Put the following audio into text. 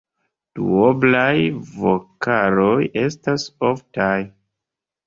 Duoblaj vokaloj estas oftaj.